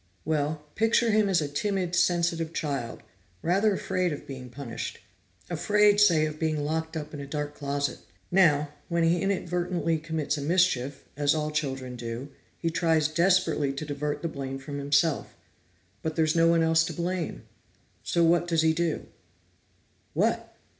"Well, picture him as a timid, sensitive child, rather afraid of being punished. Afraid, say, of being locked up in a dark closet. Now, when he inadvertently commits a mischief, as all children do, he tries desperately to divert the blame from himself. But there's no one else to blame! So what does he do?" "What?"